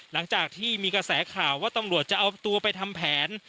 หลังจากที่มีกระแสข่าวว่าตำรวจจะเอาตัวไปทำแผน